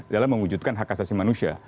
dalam mewujudkan hak asasi manusia